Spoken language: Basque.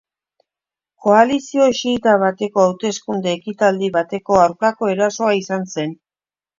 Koalizio xiita bateko hauteskunde-ekitaldi baten aurkako erasoa izan zen.